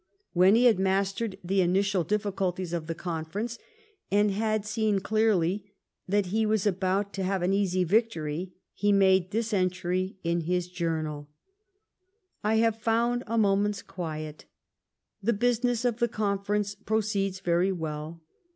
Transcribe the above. When he had mastered the initial difficulties at the Conference, and had seen clearly that he was about to have an easy victory, he made this entry in his journal :" I have found a moment's quiet. The business of the Conference proceeds very well.